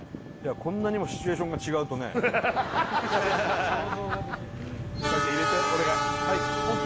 こんなにもシチュエーションが違うとね伊達ちゃん入れてお願いＯＫ？